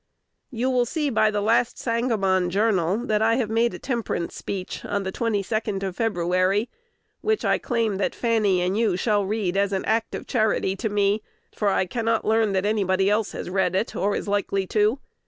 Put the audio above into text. You will see by the last "Sangamon Journal" that I have made a temperance speech on the 22d of February, which I claim that Fanny and you shall read as an act of charity to me; for I cannot learn that anybody else has read it, or is likely to.